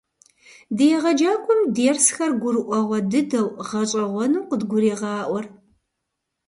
Ди егъэджакӀуэм дерсхэр гурыӀуэгъуэ дыдэу, гъэщӀэгъуэну къыдгурегъаӀуэр.